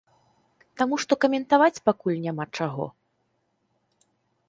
Таму што каментаваць пакуль няма чаго.